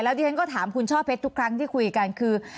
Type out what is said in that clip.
ที่ฉันก็ถามคุณช่อเพชรทุกครั้งที่คุยกันคือ